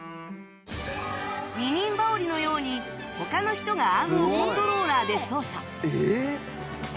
二人羽織のように他の人がアームをコントローラーで操作えっ！？